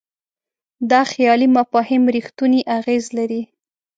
دا خیالي مفاهیم رښتونی اغېز لري.